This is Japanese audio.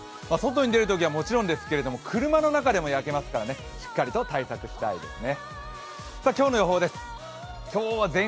外に出るときはもちろんですけど車の中でも焼けますからね、しっかりと対策したいですね。